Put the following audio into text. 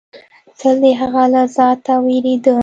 تل د هغه له ذاته وېرېدم.